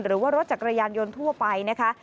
หรือว่ารถจักรยานยนต์ทั่วไปนะคะ